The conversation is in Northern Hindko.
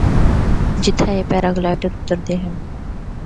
جِتھا اے پیرا گلائیڈر اُتّردے ہن۔